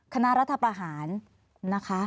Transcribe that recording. คณะรัฐประหารนะคะ